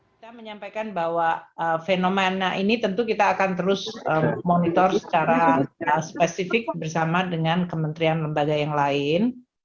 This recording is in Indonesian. kita menyampaikan bahwa fenomena ini tentu kita akan terus monitor secara spesifik bersama dengan kementerian lembaga yang lain